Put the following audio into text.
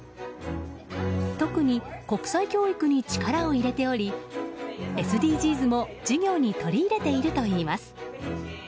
特に国際教育に力を入れておりＳＤＧｓも授業に取り入れているといいます。